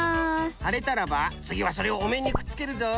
はれたらばつぎはそれをおめんにくっつけるぞい。